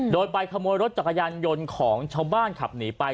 โดยไปขโมยรถจักรยานยนต์ของชาวบ้านขับหนีไป